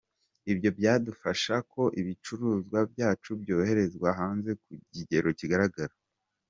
Ibyo byadufasha ko ibicuruzwa byacu byoherezwa hanze ku kigero kigaragara.